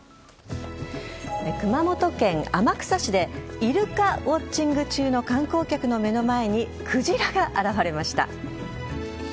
熊本県天草市でイルカウォッチング中の観光客の目の前にクジラが現れました。